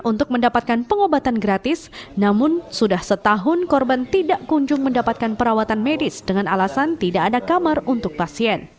untuk mendapatkan pengobatan gratis namun sudah setahun korban tidak kunjung mendapatkan perawatan medis dengan alasan tidak ada kamar untuk pasien